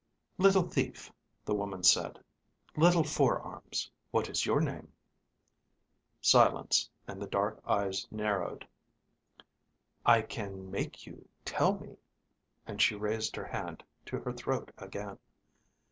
"Little thief," the woman said. "Little four arms. What is your name?" Silence, and the dark eyes narrowed. "I can make you tell me," and she raised her hand to her throat again.